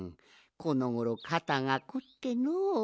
このごろかたがこってのう。